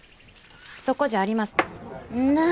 そこじゃありません。